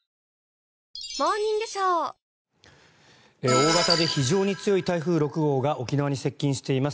大型で非常に強い台風６号が沖縄に接近しています。